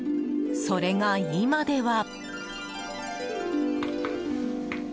それが今では。